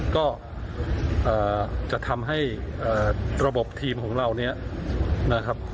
ก็จะทำให้ระบบทีมของเราเนี่ยนะครับ